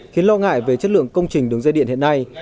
khiến lo ngại về chất lượng công trình đường dây điện hiện nay